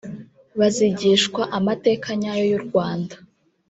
bazigishwa amateka nyayo y’uRwanda